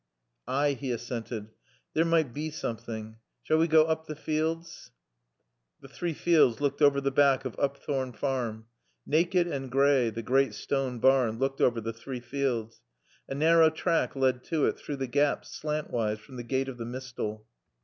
"Ay;" he assented. "There med bae soomthing. Sall we goa oop t' fealds?" The Three Fields looked over the back of Upthorne Farm. Naked and gray, the great stone barn looked over the Three Fields. A narrow track led to it, through the gaps, slantwise, from the gate of the mistal.